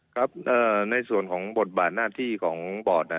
ครับในส่วนของบทบาทหน้าที่ของบอร์ด